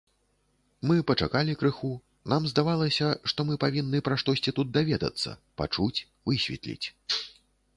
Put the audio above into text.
Мы пачакалі крыху, нам здавалася, што мы павінны пра штосьці тут даведацца, пачуць, высветліць.